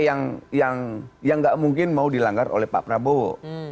dan itu etika yang nggak mungkin mau dilanggar oleh pak prabowo